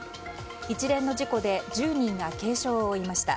一連の事故で１０人が軽傷を負いました。